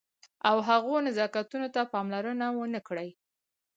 او هغو نزاکتونو ته پاملرنه ونه کړئ.